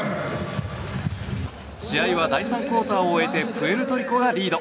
試合は第３クオーターを終えてプエルトリコがリード。